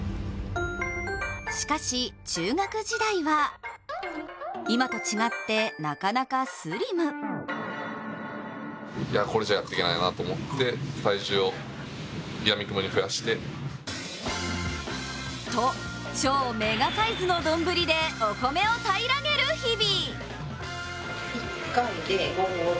しかし、中学時代は、今と違ってなかなかスリム。と超メガサイズの丼でお米を平らげる日々。